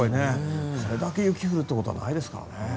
それだけ雪が降るということはないですからね。